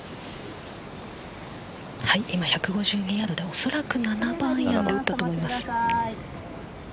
今、１５２ヤードでおそらく７番アイアンで打ったと思います。